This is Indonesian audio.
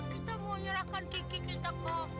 kita mau nyerahkan gigi kita kok